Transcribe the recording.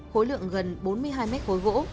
khối lượng gần bốn mươi hai mét khối gỗ